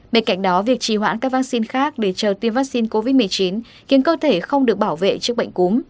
bên cạnh đó việc trì hoãn các vaccine khác để chờ tiêm vaccine covid một mươi chín khiến cơ thể không được bảo vệ trước bệnh cúm